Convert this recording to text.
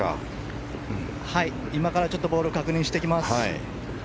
今からボールを確認してきます。